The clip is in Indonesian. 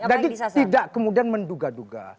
jadi tidak kemudian menduga duga